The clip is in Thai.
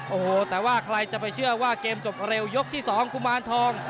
โอ้โหแต่ว่าใครจะไปเชื่อว่าเกมจบเร็วยกที่๒กุมารทอง